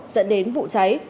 dẫn đến vụ cháy